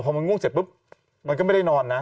พอมันง่วงเสร็จปุ๊บมันก็ไม่ได้นอนนะ